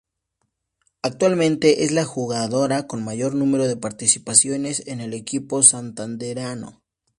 Actualmente es la jugadora con mayor número de participaciones en el equipo santandereano.